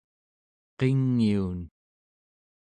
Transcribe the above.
qingiun